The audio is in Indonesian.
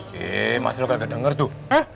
dik masa lu kagak denger tuh